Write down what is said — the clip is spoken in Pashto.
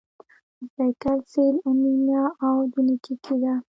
د سیکل سیل انیمیا هم جینیټیکي ده.